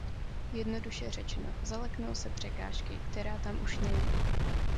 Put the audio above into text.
Jednoduše řečeno, zaleknou se překážky, která tam už není!